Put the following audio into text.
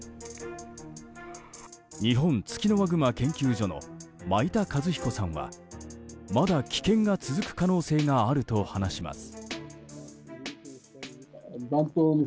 日本ツキノワグマ研究所の米田一彦さんはまだ危険が続く可能性があると話します。